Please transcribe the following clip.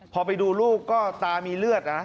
พอไปดูลูกก็ตามีเลือดนะ